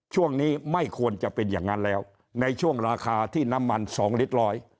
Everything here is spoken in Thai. ช่วงนี้ไม่ควรจะเป็นอย่างนั้นแล้วในช่วงราคาที่น้ำมันสองลิตรร้อย